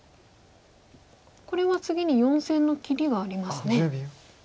これは次に４線の切りがありますね。